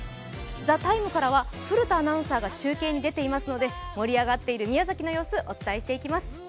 「ＴＨＥＴＩＭＥ，」からは古田アナウンサーが中継に出ていますので盛り上がっている宮崎の様子、お伝えしていきます。